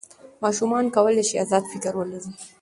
ماشوم کولی سي ازاد فکر ولري.